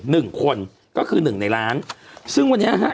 หนึ่งคนก็คือหนึ่งในล้านซึ่งวันนี้ฮะ